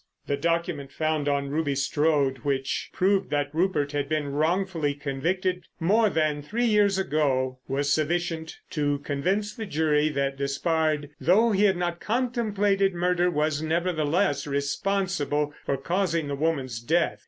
The document found on Ruby Strode which proved that Rupert had been wrongfully convicted more than three years ago was sufficient to convince the jury that Despard, though he had not contemplated murder, was nevertheless responsible for causing the woman's death.